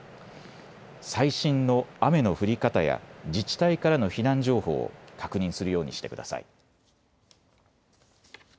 最新の雨の降り方や自治体からの避難情報を確認するようにしてください。